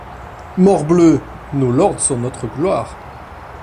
Morbleu ! nos lords sont notre gloire.